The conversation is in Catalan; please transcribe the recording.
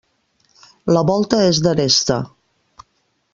La volta és d'aresta.